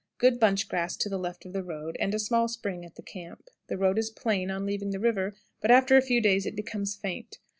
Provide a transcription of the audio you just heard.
Good bunch grass to the left of the road, and a small spring at the camp. The road is plain on leaving the river, but after a few days it becomes faint.